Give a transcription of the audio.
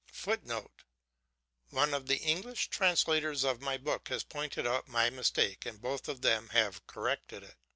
[Footnote: One of the English translators of my book has pointed out my mistake, and both of them have corrected it.